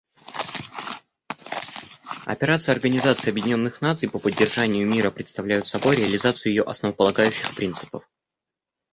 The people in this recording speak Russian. Операции Организации Объединенных Наций по поддержанию мира представляют собой реализацию ее основополагающих принципов.